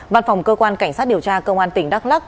văn phòng cơ quan cảnh sát điều tra cơ quan tỉnh đắk lắc